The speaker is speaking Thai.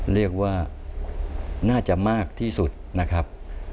เรียกว่าน่าจะมากที่สุดนะครับ